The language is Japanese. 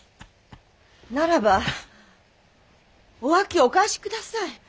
ならばお秋をお返し下さい。